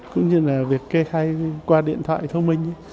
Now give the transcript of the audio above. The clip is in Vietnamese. cũng như là việc kê khai qua điện thoại thông minh